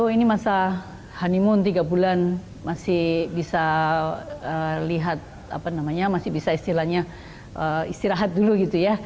ini masa honeymoon tiga bulan masih bisa lihat apa namanya masih bisa istilahnya istirahat dulu gitu ya